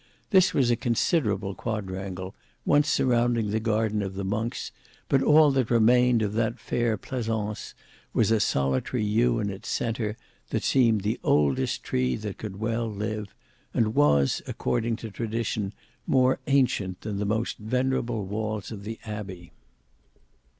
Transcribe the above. This was a considerable quadrangle; once surrounding the garden of the monks, but all that remained of that fair pleasaunce was a solitary yew in its centre, that seemed the oldest tree that could well live, and was, according to tradition, more ancient than the most venerable walls of the Abbey.